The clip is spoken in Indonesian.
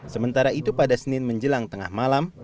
sementara itu pada senin menjelang tengah malam